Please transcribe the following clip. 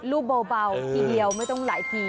รูปเบาทีเดียวไม่ต้องหลายที